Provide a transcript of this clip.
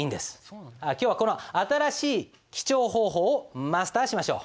今日はこの新しい記帳方法をマスターしましょう。